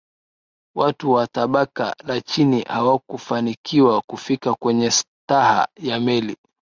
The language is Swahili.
watu wa tabaka la chini hawakufanikiwa kufika kwenye staha ya meli